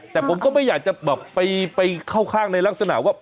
แต่ผมก็ไม่อยากจะแบบไปเข้าข้างในลักษณะว่า